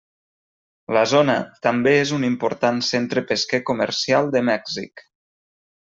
La zona també és un important centre pesquer comercial de Mèxic.